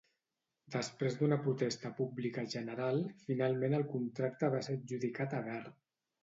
Després d'una protesta publica general, finalment el contracte va ser adjudicat a Barre.